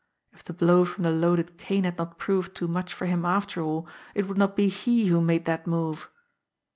If the blow from the loaded cane had not proved too much for him after all, it would not be he who made that move!